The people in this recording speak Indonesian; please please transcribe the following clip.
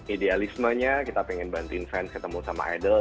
idealismenya kita pengen bantuin fans ketemu sama idol